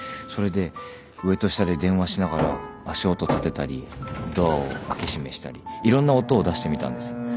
それで上と下で電話しながら足音たてたりドアを開け閉めしたりいろんな音を出してみたんです。